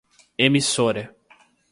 emissora